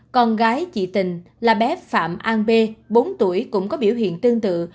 con gái chị tình là bé phạm an b bốn tuổi cũng có biểu hiện tương tự